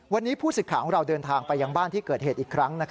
วันนี้ผู้สิทธิ์ข่าวของเราเดินทางไปยังบ้านที่เกิดเหตุอีกครั้ง